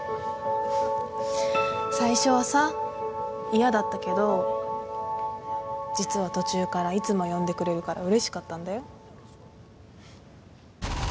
最初はさ嫌だったけど実は途中からいつも呼んでくれるからうれしかったんだよ。